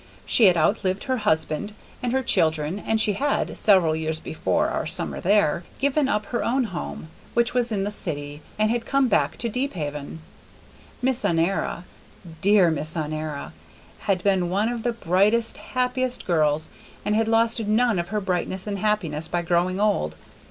She had outlived her husband and her children, and she had, several years before our summer there, given up her own home, which was in the city, and had come back to Deephaven. Miss Honora dear Miss Honora! had been one of the brightest, happiest girls, and had lost none of her brightness and happiness by growing old.